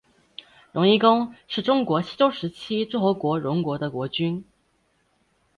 荣夷公是中国西周时期诸侯国荣国的国君。